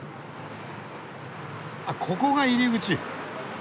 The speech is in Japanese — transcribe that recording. あっここが入り口。